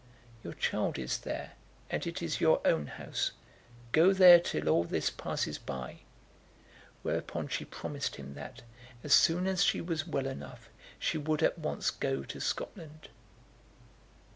"Your child is there, and it is your own house. Go there till all this passes by." Whereupon she promised him that, as soon as she was well enough, she would at once go to Scotland.